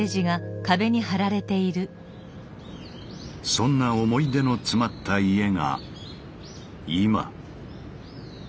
そんな思い出のつまった家が今。